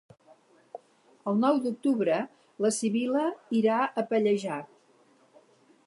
El nou d'octubre na Sibil·la irà a Pallejà.